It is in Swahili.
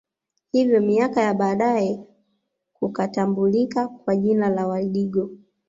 Hivyo miaka ya baadae kukatambulika kwa jina la Wadigo